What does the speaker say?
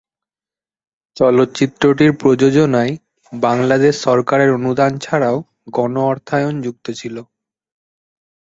চলচ্চিত্রটির প্রযোজনায় বাংলাদেশ সরকারের অনুদান ছাড়াও গণ-অর্থায়ন যুক্ত ছিল।